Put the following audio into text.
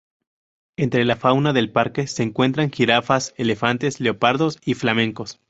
Entre la fauna del Parque se encuentran jirafas, elefantes, leopardos y flamencos.